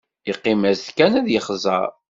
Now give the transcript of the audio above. Yeqqim-as-d kan ad yexẓer.